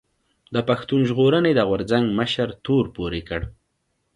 د پښتون ژغورنې د غورځنګ مشر تور پورې کړ